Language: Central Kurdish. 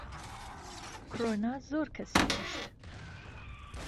کڕۆنا زۆرکەسی کووشت